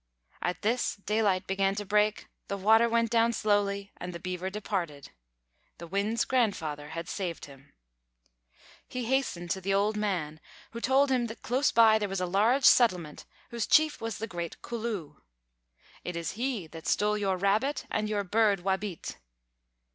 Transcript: At this, daylight began to break, the water went down slowly, and the Beaver departed. The Wind's Grandfather had saved him. He hastened to the old man, who told him that close by there was a large settlement, whose chief was the Great "Culloo." "It is he that stole your Rabbit and your Bird Wābīt."